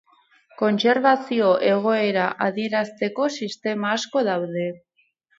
Kontserbazio egoera adierazteko sistema asko daude.